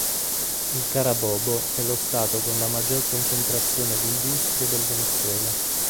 Il Carabobo è lo Stato con la maggior concentrazione di industrie del Venezuela.